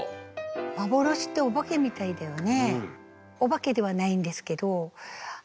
幻ってお化けみたいだよね。